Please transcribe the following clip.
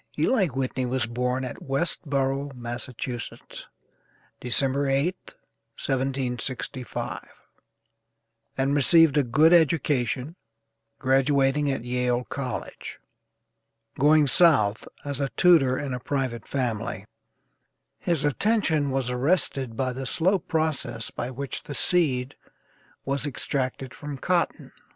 Eli Whitney was born at Westborough, Massachusetts, December 8th, 1765, and received a good education, graduating at Yale College. Going South as a tutor in a private family, his attention was arrested by the slow process by which the seed was extracted from cotton.